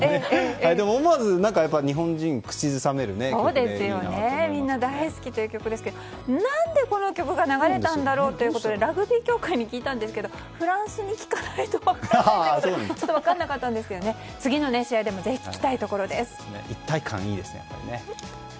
でも思わず日本人が口ずさめる曲でいいなとみんな大好きという曲ですけど何でこの曲が流れたんだろうということでラグビー協会に聞いたんですがフランスに聞かないと分からないということでちょっと分からなかったんですが次の試合でも一体感、いいですね。